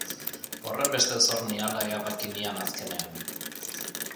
Horrenbeste zor niala erabaki nian azkenean.